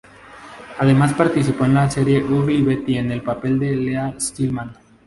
Además participó de la serie "Ugly Betty", en el papel de Leah Stillman.